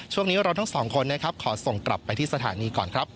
ช่วงนี้เราทั้งสองคนนะครับขอส่งกลับไปที่สถานีก่อนครับ